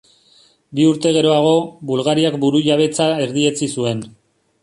Bi urte geroago, Bulgariak burujabetza erdietsi zuen.